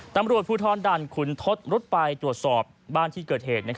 ตำรวจภูทรด่านขุนทศรุดไปตรวจสอบบ้านที่เกิดเหตุ